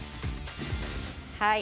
はい。